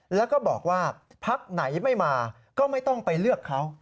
แล้วก็บอกว่าพักไหนไม่มาก็ไม่ต้องไปเลือกเขา